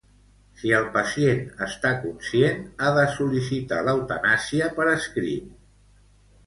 Si el pacient està conscient, ha de sol·licitar l'eutanàsia per escrit.